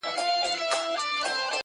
شکربار = خوږ، شیرین